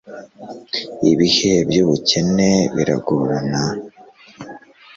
ibihe by ubukene biragorana